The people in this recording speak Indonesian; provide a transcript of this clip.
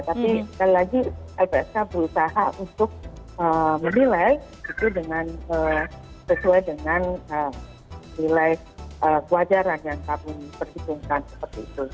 tapi sekali lagi lpsk berusaha untuk menilai itu sesuai dengan nilai kewajaran yang kami perhitungkan seperti itu